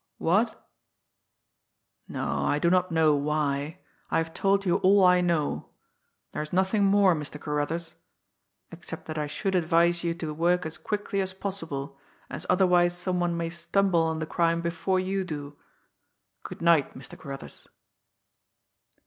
What? ... No, I do not know why; I have told you all I know. There is nothing more, Mr. Carruthers except that I should advise you to work as quickly as possible, as otherwise some one may stumble on the crime before you do. Good night, Mr. Carruthers."